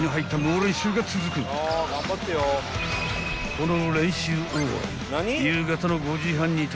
［この］